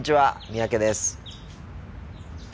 三宅です。